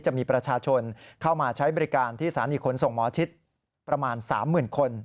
จะมีประชาชนเข้ามาใช้บริการที่สถานีขนส่งหมอชิดประมาณ๓๐๐๐คน